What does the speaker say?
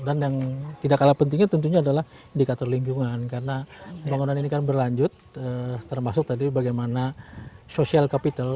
dan yang tidak kalah pentingnya tentunya adalah indikator lingkungan karena bangunan ini kan berlanjut termasuk tadi bagaimana social capital